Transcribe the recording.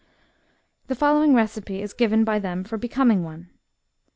'* The following receipt is given by them for becoming one.